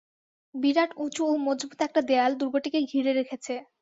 বিরাট উঁচু ও মজবুত একটা দেয়াল দুর্গটিকে ঘিরে রেখেছে।